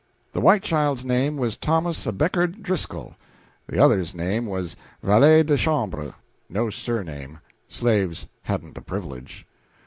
The white child's name was Thomas à Becket Driscoll, the other's name was Valet de Chambre: no surname slaves hadn't the privilege.